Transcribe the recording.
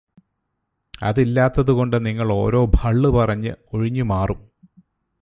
അതില്ലാത്തത് കൊണ്ടു നിങ്ങൾ ഓരോ ഭള്ളു പറഞ്ഞ് ഒഴിഞ്ഞു മാറും.